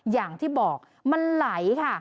อย่างที่บอกมันไหลค่ะ